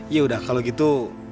yaudah kalau gitu